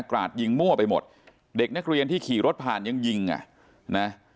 ราดยิงมั่วไปหมดเด็กนักเรียนที่ขี่รถผ่านยังยิงอ่ะนะ